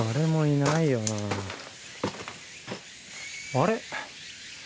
あれ？